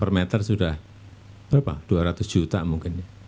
per meter sudah berapa dua ratus juta mungkin